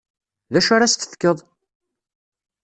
D acu ara as-tefkeḍ?